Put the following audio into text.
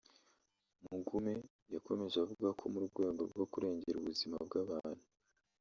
Mugume yakomeje avuga ko mu rwego rwo kurengera ubuzima bw’abantu